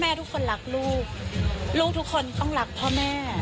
ทุกคนรักลูกลูกทุกคนต้องรักพ่อแม่